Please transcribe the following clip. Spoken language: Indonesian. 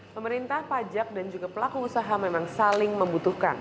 pemerintah pajak dan juga pelaku usaha memang saling membutuhkan